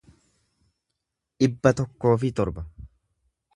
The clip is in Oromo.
dhibba tokkoo fi torba